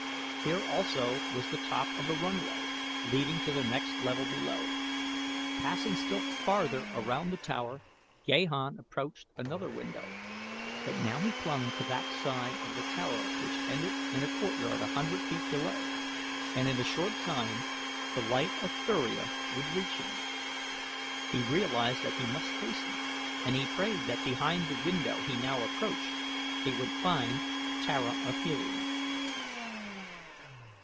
Here also was the top of the runway leading to the next level below. Passing still farther around the tower Gahan approached another window, but now he clung to that side of the tower which ended in a courtyard a hundred feet below and in a short time the light of Thuria would reach him. He realized that he must hasten and he prayed that behind the window he now approached he would find Tara of Helium.